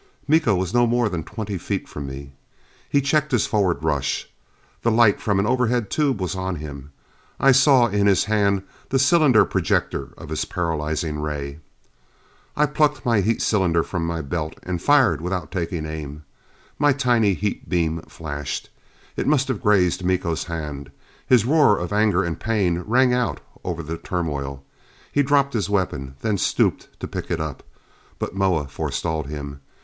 Miko was no more than twenty feet from me. He checked his forward rush. The light from an overhead tube was on him: I saw in his hand the cylinder projector of his paralyzing ray. I plucked my heat cylinder from my belt, and fired without taking aim. My tiny heat beam flashed. I must have grazed Miko's hand. His roar of anger and pain rang out over the turmoil. He dropped his weapon; then stooped to pick it up. But Moa forestalled him.